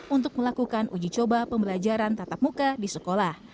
untuk melakukan uji coba pembelajaran tatap muka di sekolah